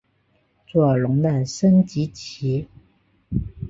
左龙的升级棋。